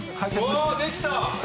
おおできた！